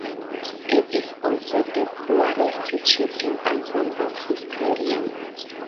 It is also the poorest-charting album of his career.